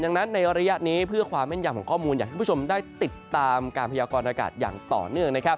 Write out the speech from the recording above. ดังนั้นในระยะนี้เพื่อความแม่นยำของข้อมูลอยากให้คุณผู้ชมได้ติดตามการพยากรณากาศอย่างต่อเนื่อง